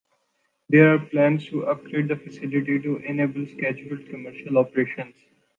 There are plans to upgrade the facility to enable scheduled commercial operations.